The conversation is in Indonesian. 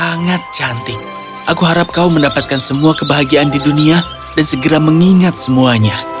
sangat cantik aku harap kau mendapatkan semua kebahagiaan di dunia dan segera mengingat semuanya